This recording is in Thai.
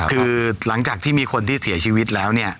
คือหลังจากที่มีคนที่เสียชีวิตแล้วเนี่ย